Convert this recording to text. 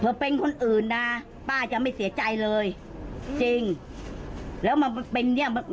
เป็นคนอื่นนะป้าจะไม่เสียใจเลยจริงแล้วมันเป็นเนี้ย